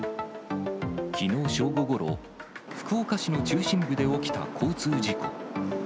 きのう正午ごろ、福岡市の中心部で起きた交通事故。